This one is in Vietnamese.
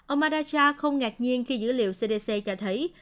ông maraja không ngạc nhiên khi dữ liệu cdc cho thấy